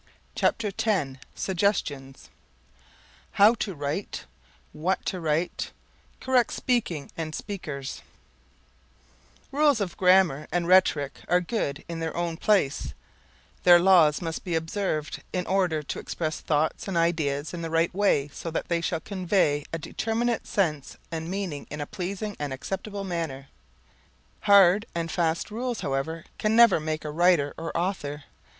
CHAPTER X SUGGESTIONS How to Write What to Write Correct Speaking and Speakers Rules of grammar and rhetoric are good in their own place; their laws must be observed in order to express thoughts and ideas in the right way so that they shall convey a determinate sense and meaning in a pleasing and acceptable manner. Hard and fast rules, however, can never make a writer or author.